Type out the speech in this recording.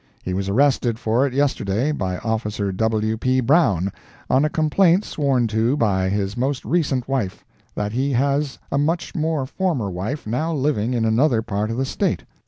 He was arrested for it yesterday, by Officer W. P. Brown, on a complaint sworn to by his most recent wife, that he has a much more former wife now living in another part of the State.